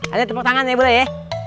ada tepuk tangan nih boleh ya